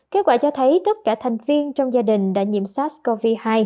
kết quả cho thấy tất cả thành viên trong gia đình đã nhiễm sars cov hai